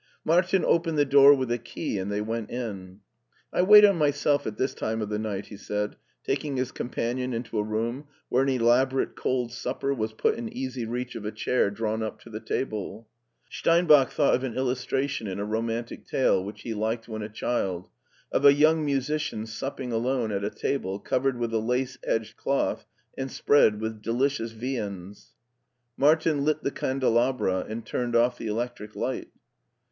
Martin opened the door with a key and they went in. "I wait on myself at this time of the night," he said, taking his companion into a room where an elab orate cold supper was put in easy reach of a chair drawn up to the table. Steinbach thought of an illus •••«•* LEIPSlC ••• Tc Tor tration in a romantic tale which he liked when a child, of a young musician supping alone at a table covered with a lace edged cloth and spread with delicious viands. Martin lit the candelabra and turned off the electric light.